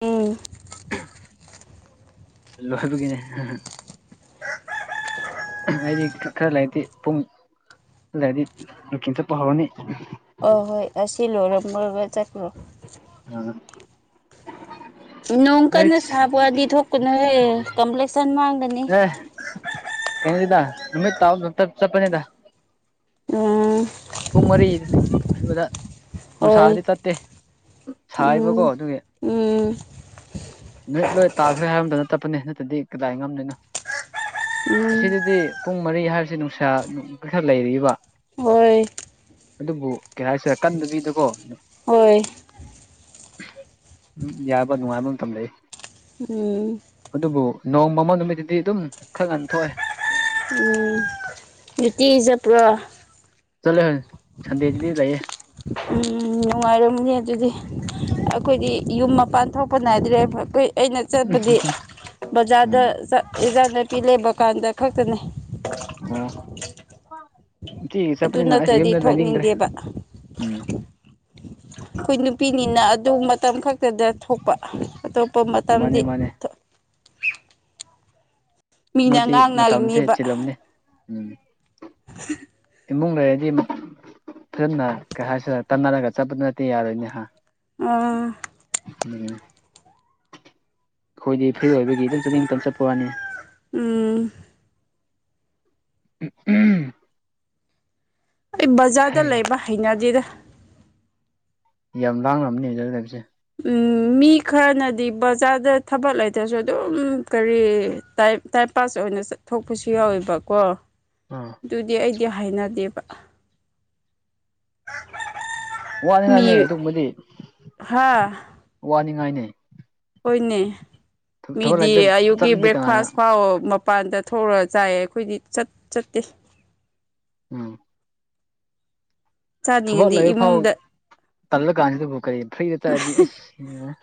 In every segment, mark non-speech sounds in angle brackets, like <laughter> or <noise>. ꯎꯝ ꯂꯣꯏꯕꯒꯤꯅꯦ ꯑꯩꯗꯤ ꯈꯔ ꯂꯩꯔꯇꯗꯤ ꯄꯨꯡ ꯂꯩꯔꯗꯤ ꯀꯤꯡ ꯆꯠꯄ ꯍꯧꯔꯅꯤ <unintelligible> ꯑꫭ ꯍꯣꯏ ꯑꯁꯤ ꯂꯣꯏꯔꯝꯃꯒ ꯆꯠ꯭ꯈꯔꫭ ꯑꯝ <unintelligible> ꯅꯣꯡ ꯀꯟꯅ ꯁꯥꯕꯗꯤ ꯊꯣꯛꯀꯅꯨꯍ‌ꯦ ꯀꯝꯄ꯭ꯂꯦꯛꯁꯟ ꯃꯥꯡꯒꯅꯤ ꯀꯩꯅꯗꯗ <unintelligible> ꯅꯨꯃꯤ ꯇꯥꯎ ꯇꯞ ꯆꯄꯅꯤꯗ ꯎꯝ ꯄꯨꯡ ꯃꯔꯤ ꯑꯗꯨꯗ ꯍꯣꯏ ꯅꯨꯡꯁꯥꯗꯤ ꯆꯠꯇꯦ ꯁꯥꯏꯕꯀꯣ ꯎꯝ ꯑꯗꯨꯒꯤ ꯎꯝ ꯅꯨꯃꯤꯠ ꯂꯣꯏ ꯇꯥꯈ꯭ꯔꯦ ꯍꯥꯏ ꯃꯇꯝꯗ ꯆꯠꯄꯅꯤ ꯅꯠꯇꯗꯤ ꯀꯗꯥꯏ ꯉꯝꯗꯣꯏꯅꯣ ꯎꯝ ꯑꯁꯤꯗꯗꯤ ꯄꯨꯡ ꯃꯔꯤ ꯍꯥꯏꯔꯤꯁꯤ ꯅꯨꯡꯁꯥ ꯈꯔ ꯂꯩꯔꯤꯕ ꯍꫭꯏ ꯑꯗꯨꯕꯨ ꯀꯩ ꯍꯥꯏꯁꯤꯔ ꯀꯟꯗꯕꯤꯗ ꯀꫭ ꯍꯣꯏ ꯎꯝ ꯌꯥꯕ ꯅꯨꯡꯉꯥꯏꯕ ꯃꯇꯝ ꯂꯩ ꯎꯝ ꯑꯗꯨꯕꯨ ꯅꯣꯡ ꯃꯪꯕ ꯅꯨꯃꯤꯠꯇꯗꯤ ꯑꯗꯨꯝ ꯈꯔ ꯉꯟꯅ ꯊꯣꯛꯑꯦ ꯎꯝ ꯅꯨꯡꯇꯤꯒꯤ ꯆꯠꯄ꯭ꯔꯣ ꯆꯂꯦ ꯁꯟꯗꯦꯗꯗꯤ ꯂꯩꯏꯌꯦ ꯎꯝ ꯅꯨꯡꯉꯥꯏꯔꯝꯅꯦ ꯑꯗꯨꯗꯤ ꯑꯩꯈꯣꯏꯗꯤ ꯌꯨꯝ ꯃꯄꯥꯟ ꯊꯣꯛꯄ ꯅꯥꯏꯗ꯭ꯔꯦ ꯑꯩꯈꯣꯏ ꯑꯩꯅ ꯆꯠꯄꯗꯤ ꯕꯖꯥꯔꯗ ꯎꯝ ꯑꯦꯟꯖꯥꯡ ꯅꯥꯄꯤ ꯂꯩꯕ ꯀꯥꯟꯗ ꯈꯛꯇꯅꯦ ꯎꯝ ꯅꯨꯡꯇꯤꯒꯤ ꯑꯗꯨ ꯆꯠꯄꯅꯤꯅ ꯑꯁ ꯅꯠꯇ꯭ꯔꯗꯤ ꯌꯨꯝꯗ ꯂꯩꯅꯤꯡꯗ꯭ꯔꯦ ꯊꯣꯛꯅꯤꯡꯗꯦꯕ ꯎꯝ ꯑꯩꯈꯣꯏ ꯅꯨꯄꯤꯅꯤꯅ ꯑꯗꯨ ꯃꯇꯝ ꯈꯛꯇꯗ ꯊꯣꯛꯄ ꯑꯇꯣꯞꯄ ꯃꯇꯝꯗꯤ ꯃꯥꯅꯦ ꯃꯥꯅꯦ ꯃꯤꯅ ꯅꯣꯏꯗꯤ ꯃꯇꯝꯁꯦ ꯉꯥꯡꯅꯔꯤꯅꯦꯕ ꯆꯤꯜꯂꯝꯅꯤ ꯎꯝ <unintelligible> ꯏꯃꯨꯡ ꯂꯩꯔꯗꯤ ꯐꯖꯅ ꯀꯩ ꯍꯥꯏꯁꯤꯔ ꯇꯥꯟꯅꯔꯒ ꯆꯠꯄꯗꯨ ꯅꯠꯇꯦ ꯌꯥꯔꯣꯏꯅꯦꯍ ꯑꯥ ꯎꯝ ꯈꯣꯏꯗꯤ ꯐ꯭ꯔꯤ ꯑꯣꯏꯕꯒꯤ ꯑꯗꯨꯝ ꯆꯠꯅꯤꯡ ꯃꯇꯝ ꯆꯠꯄ ꯋꯥꯅꯤ ꯎꯝ ꯎꯍꯝ ꯑꯩ ꯕꯖꯥꯔꯗ ꯍꯩ ꯂꯩꯕ ꯍꯩꯅꯗꯦꯗ ꯌꯥꯝ ꯂꯥꯡꯂꯝꯅꯤ ꯕꯖꯔꯗ ꯂꯩꯕꯁꯦ ꯎꯝ ꯃꯤ ꯈꯔꯅꯗꯤ ꯕꯖꯥꯔꯗ ꯊꯕꯛ ꯂꯩꯇ꯭ꯔꯁꯨ ꯑꯗꯨꯝ ꯀꯔꯤ ꯇꯥꯏꯞ ꯇꯥꯏꯝ ꯄꯥꯁ ꯑꯣꯏꯅ ꯆꯠꯊꯣꯛꯄꯁꯨ ꯌꯥꯎꯋꯦꯕꯀꯣ ꯑꯥ ꯑꯗꯨꯗꯤ ꯑꯩꯗꯤ ꯍꯩꯅꯗꯦꯕ ꯋꯥꯅꯤꯡꯉꯥꯏꯅꯦ ꯃꯤ ꯑꯗꯨꯒꯨꯝꯕꯗꯤ ꯍꯥ ꯋꯥꯅꯤꯡꯉꯥꯏꯅꯤ ꯍꯣꯏꯅꯦ ꯊꯕꯛ ꯃꯤꯗꯤ ꯂꯩꯇ꯭ꯔꯒ ꯑꯌꯨꯛꯀꯤ ꯆꯠꯂꯗꯤ ꯀꯅꯥꯅ ꯕ꯭ꯔꯦꯛꯐꯥꯁ ꯐꯥꯎ ꯃꯄꯥꯟꯗ ꯊꯣꯛꯂꯔ ꯆꯥꯏꯑꯦ ꯑꯈꯣꯏꯗꯤ ꯆꯠ ꯆꯠꯇꯦ ꯎꯝ ꯊꯕꯛ ꯆꯥꯅꯤꯡꯉꯗꯤ ꯂꯩꯔ ꯐꯥꯎ ꯏꯃꯨꯡꯗ ꯇꯜꯂ ꯀꯥꯟꯁꯤꯗꯕꯨ ꯀꯔꯤ ꯐ꯭ꯔꯤꯗ ꯇꯥꯔꯗꯤ ꯑꯩꯁ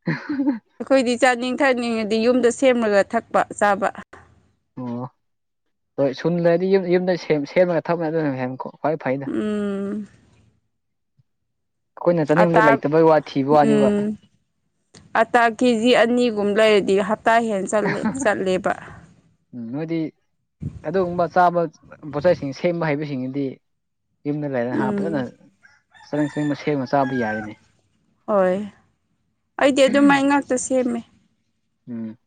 <unintelligible> ꯑꯩꯈꯣꯏꯗꯤ ꯆꯥꯅꯤꯡ ꯊꯛꯅꯤꯡꯉꯗꯤ ꯌꯨꯝꯗ ꯁꯦꯝꯃꯒ ꯊꯛꯄ ꯆꯥꯕ ꯑꯣ ꯍꯣꯏ ꯁꯨꯝ ꯂꯩꯔꯗꯤ ꯌꯨꯝ ꯌꯨꯝꯗ ꯁꯦꯝ ꯁꯦꯝꯔꯒ ꯊꯛꯄ ꯑꯗꯨꯅ ꯍꯦꯟ ꯈ꯭ꯋꯥꯏ ꯐꯩ ꯎꯝ ꯎꯝ ꯑꯩꯈꯣꯏꯅ ꯑꯥ ꯆꯥꯅꯤꯡꯕꯗ ꯇꯥꯛ ꯂꯩꯇꯕꯩ ꯋꯥ ꯊꯤꯕ ꯋꯥꯅꯦꯕ ꯎꯝ ꯑꯇꯥ ꯀꯦ ꯖꯤ ꯑꯅꯤꯒꯨꯝ ꯂꯩꯔꯗꯤ ꯍꯞꯇꯥ ꯍꯦꯟ ꯆꯠꯂꯦ ꯆꯠꯂꯦꯕ <unintelligible> ꯎꯝ ꯅꯣꯏꯗꯤ ꯑꯗꯨꯒꯨꯝꯕ ꯆꯥꯕ ꯄꯣꯠꯆꯩꯁꯤꯡ ꯁꯦꯝꯕ ꯍꯩꯕꯁꯤꯡꯒꯤꯗꯤ ꯌꯨꯝꯗ ꯂꯩꯔꯒ ꯍꯥꯥ ꯎꯝ ꯐꯖꯅ ꯆꯥꯅꯤꯡ ꯆꯅꯤꯡꯕ ꯁꯦꯝꯃꯒ ꯆꯥꯕ ꯌꯥꯔꯤꯅꯤ ꯍꯣꯏ ꯑꯩꯗꯤ ꯑꯗꯨꯃꯥꯏ ꯉꯥꯛꯇ ꯁꯦꯝꯃꯦ ꯎꯝ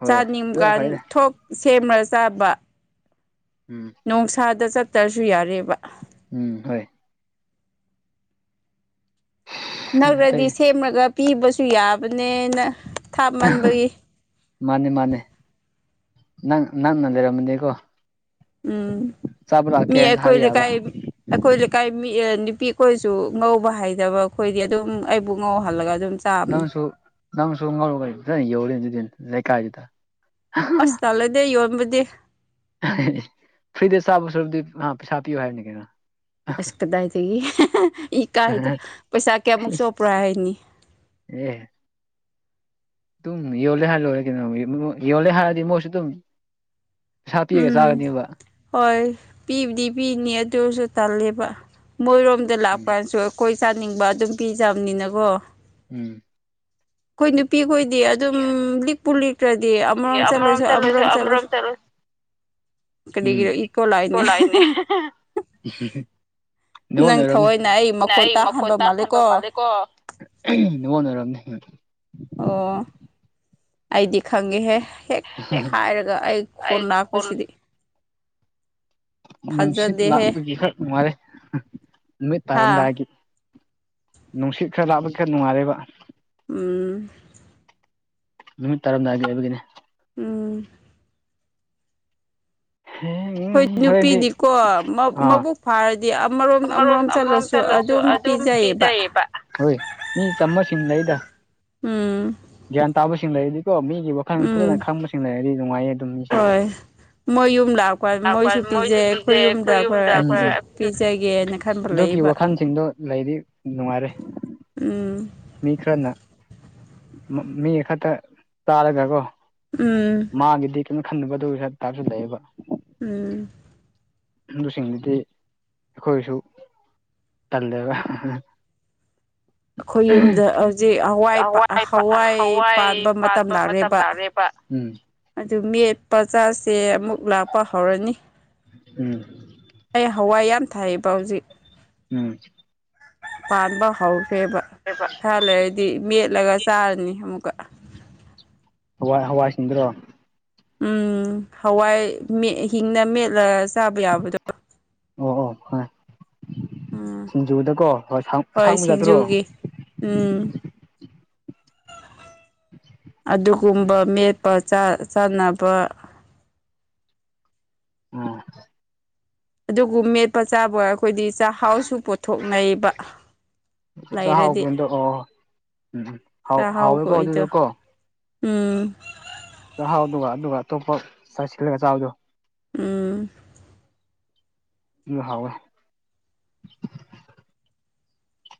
ꯍꯣꯏ ꯑꯗꯨꯅ ꯆꯥꯅꯤꯡꯕꯒꯥꯟ ꯐꯩꯗ ꯊꯣꯛ ꯁꯦꯝꯂ ꯆꯥꯕ ꯎꯝ ꯅꯣꯡꯁꯥꯗ ꯆꯠꯇ꯭ꯔꯁꯨ ꯌꯥꯔꯦꯕ ꯎꯝ ꯍꯣꯏ ꯅꯛꯔꯗꯤ ꯑꯇꯩ ꯁꯦꯝꯔꯒ ꯄꯤꯕꯁꯨ ꯌꯥꯕꯅꯦꯅ ꯊꯥꯞ ꯃꯟꯕꯒꯤ ꯃꯥꯅꯦ ꯃꯥꯅꯦ ꯅꯪ ꯅꯛꯅ ꯂꯩꯔꯝꯃꯗꯤꯀꯣ ꯎꯝ ꯆꯥꯕ ꯃꯤ ꯂꯥꯛꯀꯦꯅ ꯑꯩꯈꯣꯢ ꯍꯥꯏꯕ ꯌꯥꯕ ꯂꯩꯀꯥꯏ ꯑꯩꯈꯣꯏ ꯂꯩꯀꯥꯏ ꯅꯨꯄꯤ ꯈꯣꯏꯁꯨ ꯉꯧꯕ ꯍꯩꯗꯕ ꯑꯩꯈꯣꯏꯗꯤ ꯑꯗꯨꯝ ꯑꯩꯕꯨ ꯉꯧꯍꯜꯂꯒ ꯑꯗꯨꯝ ꯆꯥꯕꯅꯤ ꯅꯪꯁꯨꯣꯥ ꯅꯪꯁꯨ ꯉꯧꯔꯒ ꯐꯖꯅ ꯌꯣꯂꯨ ꯑꯗꯨꯗꯤ ꯂꯩꯀꯥꯏꯗꯨꯗ <unintelligible> ꯑꯁ ꯇꯜꯂꯦꯗ ꯌꯣꯟꯕꯗꯤ <unintelligible> ꯐ꯭ꯔꯤꯗ ꯆꯥꯕ ꯁꯔꯨꯛꯗꯤ ꯄꯩꯁꯥ ꯄꯤꯌꯨ ꯍꯥꯏꯕꯅꯤ ꯀꯩꯅꯣ ꯑꯁ ꯀꯗꯥꯏꯗꯒꯤ ꯏꯀꯥꯏꯗ ꯄꯩꯁꯥ ꯀꯌꯥꯃꯨꯛ ꯆꯣꯞꯄ꯭ꯔꯣ ꯍꯥꯏꯅꯤ ꯑꯦ ꯇꯨꯡ ꯌꯣꯂꯦ ꯍꯥꯏꯔ ꯂꯣꯢꯔꯦ ꯀꯩꯅꯣ ꯌꯣꯟꯕꯕꯨ ꯌꯣꯂꯦ ꯍꯥꯏꯔꯗꯤ ꯃꯣꯢꯁꯨ ꯇꯨꯝ ꯄꯩꯁꯥ ꯄꯤꯔꯒ ꯎꯝ ꯆꯥꯒꯅꯤꯕ ꯍꯣꯏ ꯄꯤꯕꯨꯗꯤ ꯄꯤꯅꯤ ꯑꯗꯨꯁꯨ ꯇꯜꯂꯦꯕ ꯃꯣꯏꯔꯣꯝꯗ ꯂꯥꯛ ꯎꯝ ꯀꯥꯟꯁꯨ ꯈꯣꯏ ꯆꯥꯅꯤꯡꯕ ꯑꯗꯨꯝ ꯄꯤꯖꯕꯅꯤꯅꯀꯣ ꯎꯝ ꯑꯩꯥꯈꯣꯏ ꯅꯨꯄꯤꯈꯣꯏꯗꯤ ꯑꯗꯨꯝ ꯂꯤꯛꯄꯨ ꯂꯤꯛ ꯆꯠꯇ꯭ꯔꯗꯤ ꯑꯃꯔꯣꯝ ꯆꯠꯂꯨꯁꯨ ꯑꯃꯔꯣꯝ ꯆꯠꯂꯨ ꯀꯗꯤꯒꯤ ꯆꯠꯂꯨꯁꯨ ꯏꯀꯣ ꯀꯣ ꯂꯅꯦ ꯂꯥꯛꯏꯅꯦ ꯅꯦꯠꯋꯥꯛꯅ ꯅꯪ ꯑꯣꯏꯔꯝꯅꯤ ꯊꯑꯣꯏꯅ ꯑꯩ ꯃꯈꯣꯟ ꯇꯥꯍꯟꯕ ꯃꯥꯜꯂꯦꯀꯣ ꯉꯣꯟꯅꯔꯝꯅꯤ ꯑꯣ ꯑꯩꯗꯤ ꯈꯪꯉꯦ ꯍꯦꯛ ꯍꯦꯛ ꯍꯥꯏꯔꯒ ꯑꯩ ꯈꯣꯟ ꯂꯥꯛꯄꯁꯤꯗꯤ ꯅꯨꯡꯁꯤꯠ ꯐꯖꯗꯦꯍꯦ ꯂꯥꯛꯄꯒꯤ ꯍꯛ ꯅꯨꯡꯉꯔꯦ ꯅꯨꯃꯤꯠ ꯍꯥ ꯇꯥꯔꯝꯗꯥꯏꯒꯤ ꯅꯨꯡꯁꯤꯠ ꯈꯔ ꯂꯥꯞꯄ ꯈꯔ ꯅꯨꯡꯉꯥꯏꯔꯦꯕ ꯎꯝ ꯅꯨꯃꯤꯠ ꯇꯔꯝꯗꯥꯏꯒꯤ ꯑꯣꯏꯕꯒꯤꯅꯤ ꯎꯝ ꯍ ꯍꯣꯏ ꯍꯥꯏꯗꯤ ꯅꯨꯄꯤꯗꯤꯀꯣ ꯑꯥ ꯃꯕꯨꯛ ꯐꯥꯔꯗꯤ ꯑꯃꯔꯣꯝ ꯑꯃꯔꯣꯝ ꯆꯠꯂꯁꯨ ꯑ ꯑꯗꯨꯝ ꯄꯤ ꯄꯤꯖꯩꯌꯦꯕ ꯍꯣꯏ ꯃꯤ ꯆꯥꯝꯃꯁꯤꯡ ꯂꯩꯗ ꯎꯝ ꯒ꯭ꯌꯥꯟ ꯇꯥꯕꯁꯤꯡ ꯂꯩꯔꯗꯤꯀꯣ ꯃꯤꯒꯤ ꯋꯥꯈꯜ ꯐꯖꯅ ꯎꯝ ꯈꯪꯕꯁꯤꯡ ꯂꯩꯔꯗꯤ ꯅꯨꯡꯉꯥꯏꯌꯦ ꯑꯗꯨꯝ ꯃꯤꯁꯦ ꯍꯣꯏ ꯃꯣꯏ ꯌꯨꯝꯗꯥꯛꯄꯣꯏ ꯃꯣꯏꯁꯨ ꯄꯤꯖꯩ ꯑꯩꯈꯣꯏ ꯌꯨꯝꯗꯄ ꯑꯩꯈꯣꯏꯁꯨ ꯄꯤꯖꯒꯦꯅ ꯈꯟꯕ ꯑꯗꯨꯒꯤ ꯂꯩꯕ ꯋꯥꯈꯜꯁꯤꯡꯗꯣ ꯂꯩꯗꯤ ꯅꯨꯡꯉꯥꯏꯔꯦ ꯎꯝ ꯃꯤ ꯈꯔꯅ ꯃꯤ ꯈꯛꯇ ꯇꯥꯔꯒꯀꯣ ꯎꯝ ꯃꯥꯒꯤꯗꯤ ꯀꯩꯅꯣ ꯈꯟꯗꯕꯗꯧ ꯇꯥꯁꯨ ꯂꯩꯑꯦꯕ ꯎꯝ ꯑꯗꯨꯁꯤꯡꯗꯨꯗꯤ ꯑꯩꯈꯣꯏꯁꯨ ꯀꯜꯂꯦꯕ ꯍꯋꯥꯏ ꯍꯋꯥꯏ ꯄꯥꯟꯕ ꯃꯇꯝ ꯂꯥꯛꯑꯦꯕ ꯎꯝ ꯑꯗꯨ ꯃꯦꯠꯄꯥꯆꯥꯥꯁꯦ ꯑꯃꯨꯛ ꯂꯥꯛꯄ ꯍꯧꯔꯅꯤ ꯎꯝ ꯑꯩ ꯍꯋꯥꯏ ꯌꯥꯝ ꯊꯥꯏꯕ ꯍꯧꯖꯤꯛ ꯎꯝ ꯄꯥꯟꯕ ꯍꯧꯈꯦꯕ ꯑꯦꯁꯔ ꯊꯍꯜꯂꯒꯗꯤ ꯃꯦꯠꯂꯒ ꯆꯥꯔꯅꯤ ꯑꯃꯨꯛꯀ ꯍꯋꯥꯏ ꯍꯋꯥꯏꯁꯤꯡꯗ꯭ꯔꯣ ꯎꯝ ꯍꯋꯥꯏ ꯍꯤꯡꯅ ꯃꯦꯠꯂꯒ ꯆꯥꯕ ꯌꯥꯕꯗꯣ ꯑꯣ ꯑꯣ ꯍꯣꯏ ꯎꯝ ꯁꯤꯡꯖꯨꯗꯀꯣ ꯍꯣꯏ ꯍꯣꯏ ꯑꯁꯥꯡꯕ ꯌꯥꯠꯇ꯭ꯔꯣ ꯁꯤꯡꯖꯨꯒꯤ ꯎꯝ ꯑꯗꯨꯒꯨꯝꯕ ꯃꯦꯠꯄ ꯆꯥꯟꯅꯕ ꯎꯝ ꯑꯗꯨꯒ ꯃꯦꯠꯄ ꯆꯥꯕ ꯑꯩꯈꯣꯏꯗꯤ ꯆꯥꯛꯍꯥꯎꯁꯨ ꯄꯣꯊꯣꯛꯅꯩꯕ ꯆꯥꯛ ꯍꯥꯎꯒꯦꯗꯣ ꯑꯣ ꯎꯝ ꯎꯝ ꯍꯥꯎꯋꯦꯀꯣ ꯑꯗꯨꯗ ꯆꯥꯛꯍꯥꯎꯈꯣꯏꯗꯣ ꯀꯣ ꯎꯝ ꯆꯥꯛꯍꯥꯎꯗꯨꯒ ꯑꯗꯨꯒ ꯑꯇꯣꯞꯄ ꯁꯥꯏꯖ ꯁꯤꯜꯂꯒ ꯆꯥꯛꯍꯥꯎꯗꯣ ꯎꯝ ꯌ ꯍꯥꯎꯋꯦ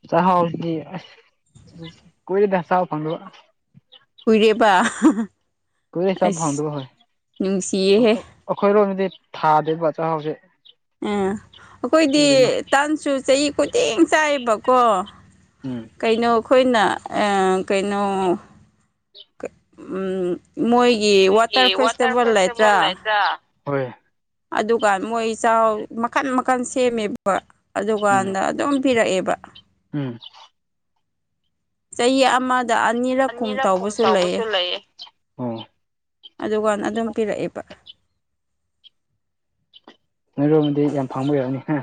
ꯆꯁꯤ ꯀꯣꯏꯔ ꯊꯁ ꯐꯪꯗꯕ ꯀꯨꯏꯔꯦꯕ ꯀꯨꯏꯔꯦ ꯆꯥꯕ ꯑꯁ ꯐꯪꯗꯕ ꯍꯣꯏ ꯅꯨꯡꯁꯤꯌꯦꯍꯦ ꯑꯩꯈꯣꯏꯔꯣꯝꯗꯗꯤ ꯊꯥꯗꯦꯕ ꯆꯥꯛꯍꯥꯎꯁꯦ ꯎꯥ ꯑꯩꯈꯣꯏꯗꯤ ꯑꯗꯨꯒꯤꯅꯤ ꯇꯥꯟꯁꯨ ꯆꯍꯤꯌ ꯈꯨꯇꯦꯡ ꯆꯥꯏꯕꯀꯣ ꯎꯝ ꯀꯩꯅꯣ ꯑꯩꯈꯣꯏꯅ ꯀꯩꯅꯣ ꯃꯣꯏ ꯒꯤ ꯋꯥꯇꯔ ꯐꯦꯁꯇꯤꯚꯦꯜ ꯂꯩꯇ꯭ꯔꯥ ꯍꯣꯏ ꯑꯗꯨꯒ ꯃꯣꯏ ꯆꯥꯎ ꯃꯈꯟ ꯃꯈꯟ ꯁꯦꯝꯃꯤꯕ ꯎꯝ ꯑꯗꯨꯀꯥꯟꯗ ꯑꯗꯨꯝ ꯄꯤꯔꯛꯑꯦꯕ ꯎꯝ ꯆꯍꯤ ꯑꯃꯗ ꯑꯅꯤꯔꯛ ꯀꯨꯝ ꯇꯧꯕꯁꯨ ꯂꯩꯌꯦ ꯑꯣ ꯑꯗꯨꯀꯥꯟꯗ ꯑꯗꯨꯝ ꯄꯤꯔꯛꯑꯦꯕ ꯅꯣꯏꯔꯣꯝꯗꯤ ꯌꯥꯝ ꯐꯪꯕꯩ ꯑꯣꯏꯔꯝꯅꯤ ꯍꯥ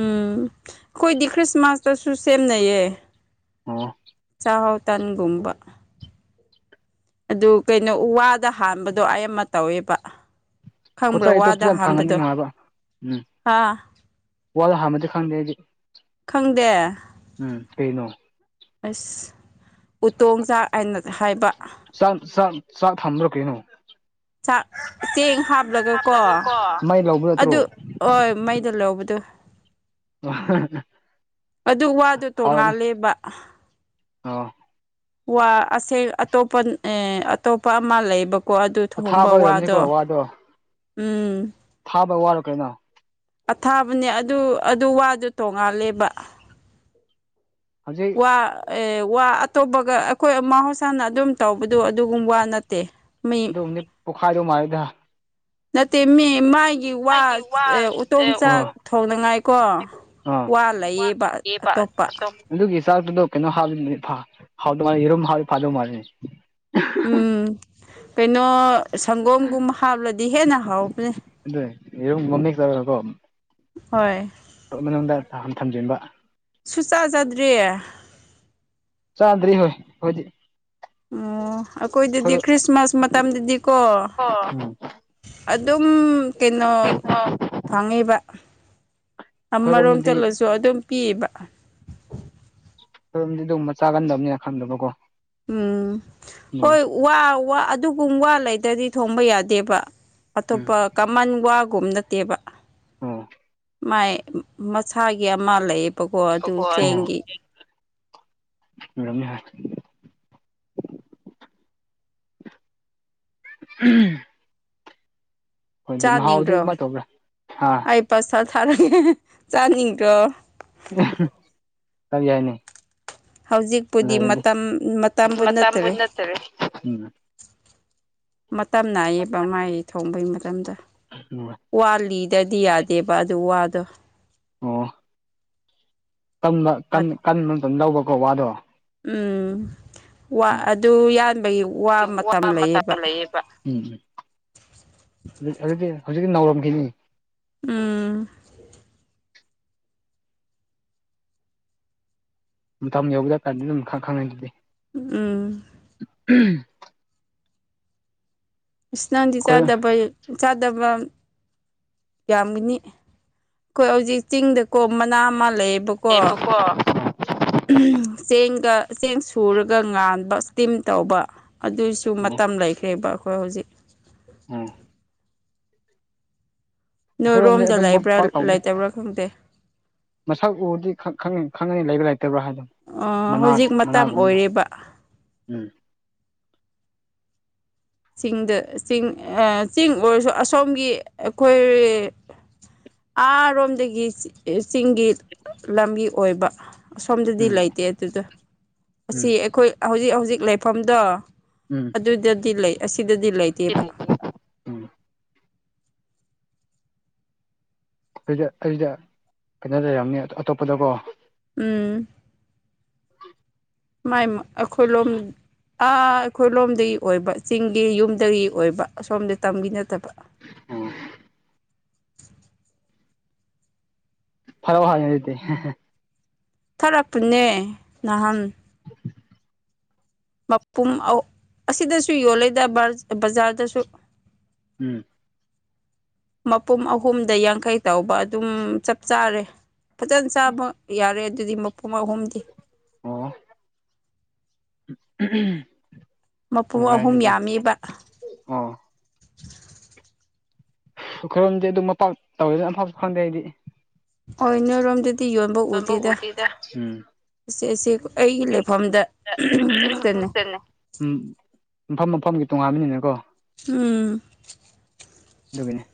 ꯎꯝ ꯑꯩꯈꯣꯏꯗꯤ ꯈ꯭ꯔꯤꯁꯃꯥꯁꯇꯁꯨ ꯁꯦꯝꯅꯩꯌꯦ ꯑꯣ ꯆꯥꯛꯍꯥꯎ ꯇꯟꯒꯨꯝꯕ ꯑꯗꯨ ꯀꯩꯅꯣ ꯋꯥꯗ ꯍꯥꯟꯕꯗꯣ ꯑꯌꯥꯝꯕ ꯇꯧꯋꯦꯕ ꯄꯣꯠ ꯈꯪꯕ꯭ꯔꯣ ꯆꯩꯗꯣ ꯋꯥꯗ ꯐꯖꯅ ꯐꯪꯉꯗꯤ ꯍꯥꯟꯕꯗꯣ ꯅꯨꯡꯉꯥꯏꯕ ꯎꯝ ꯍꯥꯥ ꯋꯥꯗ ꯍꯥꯟꯕꯗꯤ ꯈꯪꯗꯦ ꯑꯩꯗꯤ ꯈꯪꯗꯦ ꯎꯝ ꯀꯩꯅꯣ ꯑꯁ ꯎꯇꯣꯡ ꯆꯥꯛ ꯍꯥꯏꯅ ꯍꯥꯏꯕ ꯆꯥꯛ ꯆꯥꯛ ꯆꯥꯛ ꯊꯝꯅꯔꯛ ꯀꯩꯅꯣ ꯆꯥꯛ ꯆꯦꯡ ꯍꯥꯞꯂꯒꯀꯣ ꯍꯥꯞꯂꯒ ꯀꯣ ꯃꯩ ꯂꯧꯕ ꯅꯠꯇ꯭ꯔꯣ ꯑꯗꯨ ꯍꯣꯏ ꯃꯩꯗ ꯂꯧꯕꯗꯨ ꯑꯗꯨ ꯋꯥꯗꯣ ꯍꯥꯎꯔꯝ ꯇꯣꯡꯉꯥꯜꯂꯦꯕ ꯑꯣ ꯋꯥ ꯑꯁꯦꯡ ꯑꯇꯣꯞꯄ ꯑꯦ ꯑꯇꯣꯞꯄ ꯑꯃ ꯂꯩꯕ ꯀꯣ ꯑꯗꯨ ꯊꯣꯡꯕ ꯑꯊꯥꯕ ꯋꯥꯗꯣ ꯑꯣꯏꯔꯝꯅꯤꯀꯣ ꯎꯝ ꯊꯥꯕ ꯋꯥꯔ ꯀꯩꯅꯣ ꯑꯊꯥꯕꯅꯦ ꯑꯗꯨ ꯑꯗꯨ ꯋꯥꯗꯣ ꯇꯣꯡꯉꯥꯜꯂꯦꯕ ꯍꯧꯖꯤꯛ ꯋꯥ ꯋꯥ ꯑꯇꯣꯞꯄꯒ ꯑꯩꯈꯣꯏ ꯃꯍꯧꯁꯥꯅ ꯑꯗꯨꯝ ꯇꯧꯕꯗꯣ ꯑꯗꯨꯒꯨꯝꯕ ꯅꯠꯇꯦ ꯃꯩ ꯑꯗꯨꯝꯗꯤ ꯄꯣꯛꯈꯥꯏꯗꯧ ꯃꯥꯜꯂꯤꯗ ꯅꯠꯇꯦꯃꯤ ꯃꯥ ꯒꯤ ꯋꯥ ꯑꯩꯒꯤ ꯎꯇꯣꯡ ꯑꯗꯨꯝ ꯆꯥꯛ ꯊꯣꯡꯅꯉꯥꯏ ꯀꯣ ꯋꯥ ꯂꯩꯌꯦꯕ ꯋꯥꯕ ꯑꯇꯣꯞꯄ ꯑꯗꯨꯝ ꯑꯗꯨꯒꯤ ꯆꯥꯛꯇꯨꯗꯣ ꯀꯩꯅꯣ ꯍꯥꯞꯅ ꯍꯥꯎꯗꯧ ꯃꯥꯜꯂꯤ ꯌꯦꯔꯨꯝ ꯍꯥꯞꯗꯤ ꯐꯥꯗꯧ ꯃꯥꯜꯂꯤꯅꯤ ꯎꯝ ꯀꯩꯅꯣ ꯁꯪꯒꯣꯝꯒꯨꯝ ꯍꯥꯞꯂꯗꯤ ꯍꯦꯟꯅ ꯍꯥꯎꯕꯅꯦ ꯑꯗꯨ ꯌꯦꯔꯨꯝ ꯃꯃꯤꯛ ꯇꯧꯔꯒꯀꯣ ꯍꯣꯏ ꯃꯅꯨꯡꯗ ꯊꯝꯖꯤꯟꯕ ꯁꯨꯛꯆꯥ ꯆꯥꯗꯔ꯭ꯤ ꯆꯥꯗ꯭ꯔꯤ ꯍꯣꯏ ꯈꯣꯢꯗꯤ ꯑꯣ ꯑꯩꯈꯣꯏꯗꯗꯤ ꯈ꯭ꯔꯤꯁꯃꯥꯁ ꯃꯇꯝꯗꯗꯤꯀꯣ ꯎꯝ ꯑꯗꯨꯝ ꯀꯩꯅꯣ ꯑꯩꯈꯣꯏꯔꯣꯝꯗꯗꯤ ꯐꯪꯉꯤꯕ ꯑꯃꯔꯣꯝ ꯆꯠꯂꯁꯨ ꯑꯗꯨꯝ ꯄꯤꯕ ꯈꯣꯏꯔꯣꯝꯗꯤ ꯑꯗꯨꯨꯝꯕ ꯆꯥꯒꯟꯗꯕꯅꯤꯅ ꯈꯪꯗꯕꯀꯣ ꯎꯝ ꯑꯗꯨꯅꯤ ꯍꯣꯏ ꯋꯥ ꯑꯗꯨꯒꯨꯝ ꯋꯥ ꯂꯩꯗ꯭ꯔꯗꯤ ꯊꯣꯡꯕ ꯌꯥꯗꯦꯕ ꯎꯝ ꯑꯇꯣꯞꯄ ꯀꯃꯟ ꯋꯥꯒꯨꯝ ꯅꯠꯇꯦꯕ ꯑꯣ ꯃꯥꯏ ꯃꯁꯥꯒꯤ ꯑꯃ ꯂꯩꯌꯦꯕꯀꯣ ꯑꯗꯨ ꯑꯣ ꯆꯦꯡꯒꯤ ꯑꯣꯏꯔꯝꯅꯤ ꯍꯣꯏ ꯎꯝ ꯃꯍꯥꯎꯗꯤ ꯆꯥꯅꯤꯡꯗ꯭ꯔꯣ ꯀꯃꯥꯏꯅ ꯇꯧꯕ꯭ꯔꯥ ꯑꯥ ꯑꯩ ꯄꯥꯔꯁꯦꯜ ꯊꯥꯔꯛꯒꯦ ꯆꯥꯅꯤꯡꯗ꯭ꯔꯣ ꯆꯥꯕ ꯌꯥꯏꯅꯦ ꯍꯧꯖꯤꯛꯄꯨꯗꯤ ꯂꯩꯔꯗꯤ ꯃꯇꯝ ꯃꯇꯝꯕꯨ ꯅꯠꯇꯔꯦ ꯃꯇꯝ ꯅꯥꯏꯌꯦꯕ ꯃꯥꯏ ꯊꯣꯡꯕꯩ ꯃꯇꯝꯗ ꯃ ꯋꯥꯂꯤꯗꯗꯤ ꯌꯥꯗꯦꯕ ꯑꯗꯨ ꯋꯥꯗꯣ ꯑꯣ ꯀꯟꯕ ꯀꯟꯕ ꯃꯇꯝ ꯂꯧꯕꯀꯣ ꯋꯥꯗꯣ ꯎꯝ ꯋꯥ ꯎꯝ ꯑꯗꯨ ꯌꯥꯟꯕꯒꯤ ꯋꯥ ꯃꯇꯝ ꯂꯩꯌꯦꯕ ꯍꯧꯖꯤꯛꯇꯗꯤ ꯍꯧꯖꯤꯛꯇꯛꯤ ꯅꯥꯎꯔꯝꯈꯤꯅꯤ ꯎꯝ ꯃꯇꯝ ꯌꯧꯕ ꯗꯔꯀꯥꯟꯗ ꯑꯗꯨꯝ ꯈꯪꯉ ꯑꯗꯨꯗꯤ ꯎꯝ ꯎꯝ ꯏꯁ ꯅꯪꯗꯤ ꯑꯩꯈꯣꯏ ꯆꯥꯗꯕꯩ ꯆꯥꯗꯕꯝ ꯌꯥꯝꯒꯅꯤ ꯑꯩꯈꯣꯏ ꯍꯧꯖꯤꯛ ꯆꯤꯡꯗ ꯀꯣꯝ ꯃꯅꯥ ꯑꯃ ꯂꯩꯌꯦꯕ ꯑꯩ ꯄꯀꯣ ꯆꯦꯡꯒ ꯆꯦꯡ ꯁꯨꯔꯒ ꯉꯥꯟꯕ ꯏꯁꯇꯤꯝ ꯇꯧꯕ ꯑꯗꯨ ꯁꯨ ꯎꯝ ꯃꯇꯝ ꯂꯩꯈ꯭ꯔꯦꯕ ꯑꯩꯈꯣꯏ ꯍꯧꯖꯤꯛ ꯎꯝ ꯅꯣꯏ ꯑꯩꯈꯣꯏꯔꯣꯝꯗꯤ ꯔꯣꯝꯗ ꯑꯗꯨꯝꯕ ꯂꯩꯕ꯭ꯔꯥ ꯄꯥꯛ ꯇꯧꯗꯦ ꯂꯩꯇꯕ꯭ꯔꯥ ꯈꯪꯗꯦ ꯃꯁꯛ ꯎꯔꯗꯤ ꯈꯪꯉꯅꯤ ꯂꯩꯕ ꯂꯩꯇꯕ꯭ꯔꯥ ꯍꯥꯏꯗꯣ ꯑꯣ ꯃꯅꯥ ꯍꯧꯖꯤꯛ ꯃꯇꯝ ꯃꯅꯥꯒꯨꯝꯕꯗꯣ ꯑꯣꯏꯔꯦꯔꯦꯕ ꯎꯝ ꯆꯤꯡꯗ ꯆꯤꯡ ꯆꯤꯡ ꯑꯣꯏꯔꯁꯨ ꯑꯁꯣꯝꯒꯤ ꯑꯩꯈꯣꯏ ꯥ ꯔꯣꯝꯗꯒꯤ ꯆꯤꯡꯒꯤ ꯂꯝꯒꯤ ꯑꯣꯏꯕ ꯑꯁꯣꯝꯗꯗꯤ ꯎꯝ ꯂꯩꯇꯦ ꯑꯗꯨꯗ ꯑꯁꯤ ꯎꯝ ꯑꯩꯈꯣꯏ ꯍꯧꯖꯤꯛ ꯍꯧꯖꯤꯛ ꯂꯩꯐꯝꯗꯣ ꯎꯝ ꯑꯗꯨꯗꯗꯤ ꯂꯩ ꯑꯁꯤꯗꯗꯤ ꯂꯩꯇꯦꯕ ꯎꯝ ꯑꯗꯨꯗ ꯑꯗꯨꯗ ꯀꯩꯅꯣ ꯂꯩꯔꯝꯅꯤ ꯑꯇꯣꯞꯄꯗꯀꯣ ꯎꯝ ꯃꯥꯏ ꯑꯩꯈꯣꯏꯂꯣꯝ ꯑꯥ ꯑꯩꯈꯣꯏ ꯂꯣꯝꯗꯒꯤ ꯑꯣꯏꯕ ꯆꯤꯡꯒꯤ ꯌꯨꯝꯗꯒꯤ ꯑꯣꯏꯕ ꯑꯁꯣꯝꯗ ꯇꯝꯒꯤ ꯅꯠꯇꯕ ꯎꯝ ꯐꯔꯥꯎ ꯍꯥꯏ ꯂꯩꯗꯤ ꯊꯔꯛꯄꯅꯦ ꯅꯍꯥꯟ ꯃꯄꯨꯝ ꯑꯁꯤꯗꯁꯨ ꯌꯣꯜꯂꯦꯗ ꯕꯖꯥꯔꯗꯁꯨ ꯎꯝ ꯃꯄꯨꯝ ꯑꯍꯨꯝꯗ ꯌꯥꯡꯈꯩ ꯇꯧꯕ ꯑꯗꯨꯝ ꯆꯞ ꯆꯥꯔꯦ ꯐꯖꯅ ꯆꯥꯕ ꯌꯥꯔꯦ ꯑꯗꯨꯗꯤ ꯃꯄꯨꯡ ꯑꯍꯨꯝꯗꯤ ꯑ ꯎꯝ ꯃꯄꯨ ꯑꯍꯨꯝ ꯌꯥꯝꯃꯤꯕ ꯑ ꯈꯨꯔꯣꯝꯗꯤꯦ ꯑꯗꯨꯝ ꯃꯄꯥꯛ ꯇꯧꯔꯁꯨꯅ ꯑꯝꯐꯥꯎꯁꯨ ꯈꯪꯗꯦ ꯍꯥꯏꯗꯤ ꯍꯣꯏ ꯅꯔꯣꯝꯗꯗꯤ ꯌꯣꯟꯕ ꯎꯗꯦꯗ ꯑꯁꯤ ꯑꯁꯤ ꯑꯩꯒꯤ ꯑꯩꯗ ꯂꯩꯐꯝꯗ ꯉꯛꯇꯅꯤ ꯉꯛꯇꯅꯦ ꯎꯝ ꯃꯐꯝ ꯃꯐꯝꯒꯤ ꯇꯣꯉꯥꯟꯕꯥꯟꯕꯅꯤꯅꯀꯣ ꯎꯝ ꯗꯨꯒꯤꯅꯦ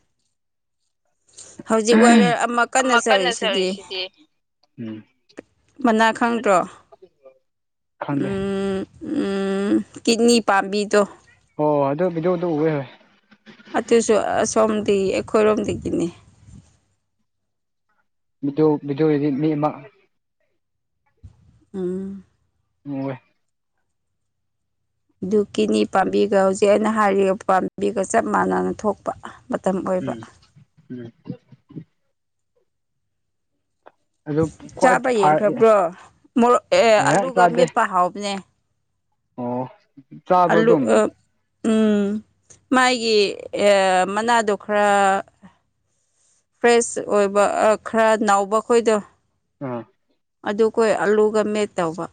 ꯍꯧꯖꯤꯛ ꯋꯥꯔꯦ ꯑꯃ ꯀꯟꯅ ꯆꯔꯤꯁꯤꯗꯤ ꯎꯝ ꯃꯅꯥ ꯈꯪꯗ꯭ꯔꯣ ꯈꯪꯗꯦ ꯎꯝ ꯎꯝ ꯀꯤꯠꯅꯤ ꯄꯥꯝꯕꯤꯗꯣ ꯍꯣꯏ ꯑꯗꯨ ꯕꯤꯗꯤꯌꯣꯗꯣ ꯎꯕꯦ ꯍꯣꯏ ꯑꯗꯨꯁꯨ ꯑꯁꯣꯝꯗꯒꯤ ꯑꯩꯈꯣꯏꯔꯣꯝꯗꯒꯤꯅꯤ ꯃꯤꯑꯣ ꯑꯣꯗꯤ ꯃꯤ ꯑꯃ ꯎꯝ ꯎꯦ ꯑꯗꯨ ꯀꯤꯅꯤ ꯄꯥꯝꯕꯤꯒ ꯍꯧꯖꯤꯛ ꯑꯩꯅ ꯍꯥꯏꯔꯤꯕ ꯄꯥꯝꯕꯤꯒ ꯆꯞ ꯃꯥꯟꯅꯅ ꯊꯣꯛꯄ ꯃꯇꯝ ꯑꯣꯏꯕ ꯎꯝ ꯎꯝ ꯑꯗꯨ ꯈ꯭ꯋꯥꯏ ꯆꯥꯕ ꯐꯥꯔ ꯌꯦꯡꯈ꯭ꯔꯕ꯭ꯔꯣ ꯃꯣꯔꯣꯛ ꯑꯦ ꯑꯂꯨꯒ ꯆꯥꯗꯦ ꯃꯦꯠꯄ ꯍꯥꯎꯕꯅꯦ ꯑꯣ ꯆꯥꯕ ꯑꯜꯂꯨ ꯑꯗꯨꯝ ꯎꯝ ꯃꯥꯒꯤ ꯃꯅꯥꯗꯣ ꯈꯔ ꯐ꯭ꯔꯦꯁ ꯑꯣꯏꯕ ꯈꯔ ꯅꯥꯎꯕ ꯈꯣꯏꯗꯣ ꯎꯝ ꯑꯗꯨꯈꯣꯏ ꯑꯂꯨꯒ ꯃꯦꯠ ꯇꯧꯕ